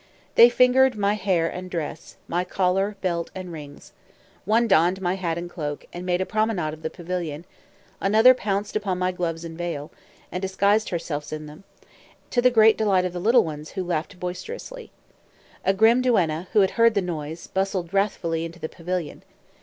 They fingered my hair and dress, my collar, belt, and rings. One donned my hat and cloak, and made a promenade of the pavilion; another pounced upon my gloves and veil, and disguised herself in them, to the great delight of the little ones, who laughed boisterously. A grim duenna, who had heard the noise, bustled wrathfully into the pavilion.